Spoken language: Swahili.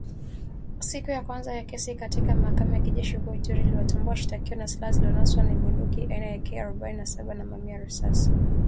Siku ya kwanza ya kesi katika mahakama ya kijeshi huko Ituri iliwatambua washtakiwa na silaha zilizonaswa ni bunduki aina ya AK arobaini na saba na mamia ya risasi.